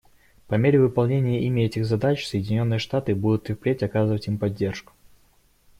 По мере выполнения ими этих задач Соединенные Штаты будут и впредь оказывать им поддержку.